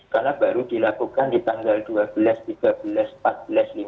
karena baru dilakukan di tangga rumah